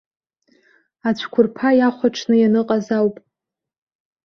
Ацәқәырԥа иахәаҽны ианыҟаз оуп.